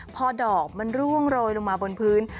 พอดอกมันร่วงโรยลงมาบนพื้น